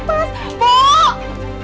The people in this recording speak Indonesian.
apaan sih kamu terang terang